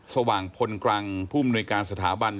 สว่างพลกรังผู้มนุยการสถาบัน